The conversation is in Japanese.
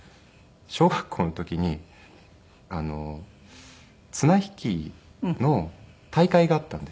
小学校の時に綱引きの大会があったんですね。